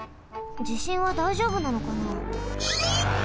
じしんはだいじょうぶなのかな？